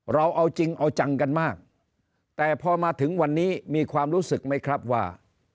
เราเอาจริงเอาจังกันมากแต่พอมาถึงวันนี้มีความรู้สึกไหมครับว่า